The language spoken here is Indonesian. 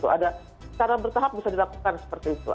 ada secara bertahap bisa dilakukan seperti itu